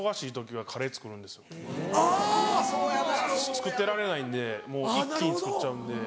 作ってられないんでもう一気に作っちゃうんで。